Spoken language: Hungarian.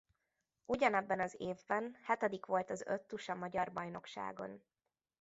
Ugyanebben az évben hetedik volt az öttusa magyar bajnokságon.